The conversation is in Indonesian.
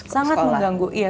sangat mengganggu iya